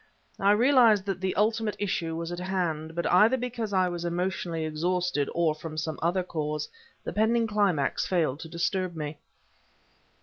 I realized that the ultimate issue was at hand, but either because I was emotionally exhausted, or from some other cause, the pending climax failed to disturb me.